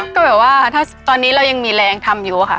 ก็แบบว่าถ้าตอนนี้เรายังมีแรงทำอยู่ค่ะ